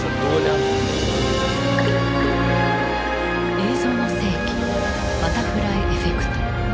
「映像の世紀バタフライエフェクト」。